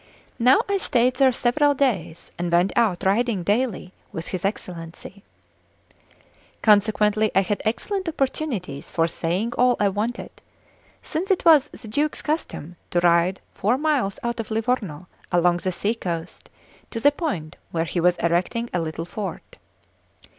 Now I stayed there several days, and went out riding daily with his Excellency. Consequently I had excellent opportunities for saying all I wanted, since it was the Duke's custom to ride four miles out of Livorno along the sea coast to the point where he was erecting a little fort.